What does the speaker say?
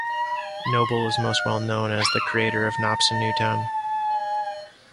Noble is most well known as the creator of "Nobson Newtown".